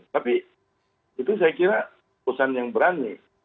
tapi itu saya kira perusahaan yang berani